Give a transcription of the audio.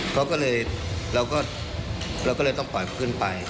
เขาก็เลยเราก็เลยต้องปล่อยเขาขึ้นไป